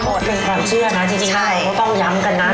พอดซึ่งความเชื่อนะที่จริงนั้นเราต้องย้ำกันนะ